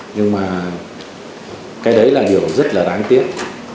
nhưng mà cái đấy là điều rất là đáng tiếc